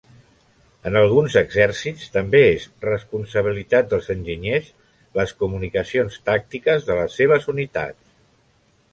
En alguns exèrcits també és responsabilitat dels enginyers les comunicacions tàctiques de les seves unitats.